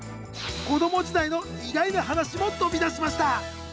子供時代の意外な話も飛び出しました！